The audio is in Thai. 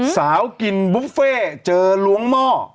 สาวกินบุฟเฟ่รวงหม้อ